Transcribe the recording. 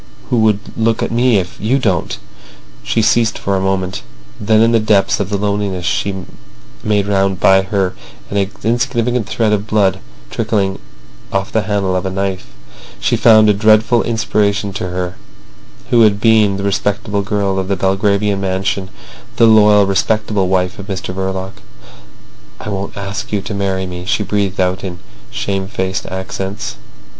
... Who would look at me if you don't!" She ceased for a moment; then in the depths of the loneliness made round her by an insignificant thread of blood trickling off the handle of a knife, she found a dreadful inspiration to her—who had been the respectable girl of the Belgravian mansion, the loyal, respectable wife of Mr Verloc. "I won't ask you to marry me," she breathed out in shame faced accents.